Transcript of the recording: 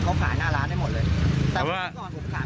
มันก็เลยกลายเป็นว่าเหมือนกับยกพวกมาตีกัน